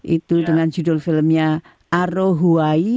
itu dengan judul filmnya arohuayi